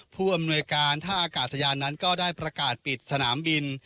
ผู้อำนวยการท่าอากาศยานนั้นก็ได้ประกาศปิดสนามบิน